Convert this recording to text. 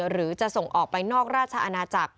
หรือจะส่งออกไปนอกราชอาณาจักร